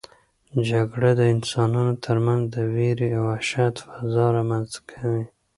جګړه د انسانانو ترمنځ د وېرې او وحشت فضا رامنځته کوي.